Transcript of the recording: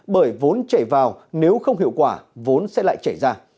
bởi vốn chạy vào nếu không hiệu quả vốn sẽ lại chạy ra